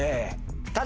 ただ。